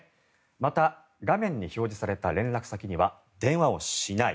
また、画面に表示された連絡先には連絡しない。